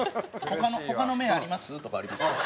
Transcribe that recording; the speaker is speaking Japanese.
「他のメンあります？」とかありますよ。